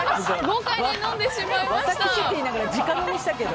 豪快に飲んでしまいました。